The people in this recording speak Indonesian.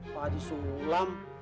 pak haji sulam